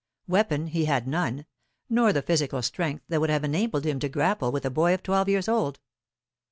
Weapon he had none, nor the physical strength that would have enabled him to grapple with a boy of twelve years old.